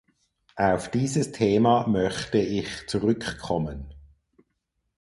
Auf dieses Thema möchte ich zurückkommen.